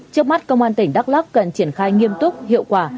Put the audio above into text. trước mắt công an tỉnh đắk lắc cần triển khai nghiêm túc hiệu quả